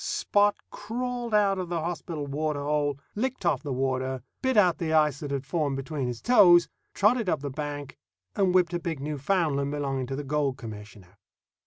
Spot crawled out of the hospital water hole, licked off the water, bit out the ice that had formed between his toes, trotted up the bank, and whipped a big Newfoundland belonging to the Gold Commissioner.